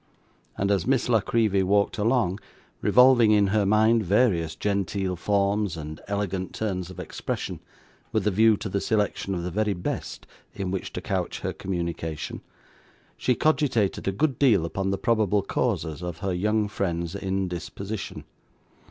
And as Miss La Creevy walked along, revolving in her mind various genteel forms and elegant turns of expression, with a view to the selection of the very best in which to couch her communication, she cogitated a good deal upon the probable causes of her young friend's indisposition.